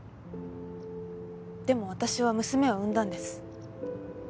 でも私は娘を産んだんです。